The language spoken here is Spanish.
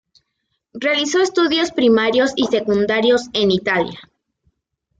Realizó estudios primarios y secundarios en Italia.